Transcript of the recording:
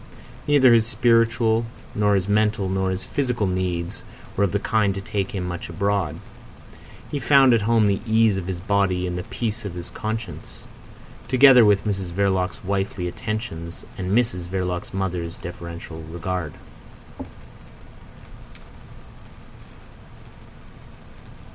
Neither his spiritual, nor his mental, nor his physical needs were of the kind to take him much abroad. He found at home the ease of his body and the peace of his conscience, together with Mrs Verloc's wifely attentions and Mrs Verloc's mother's deferential regard.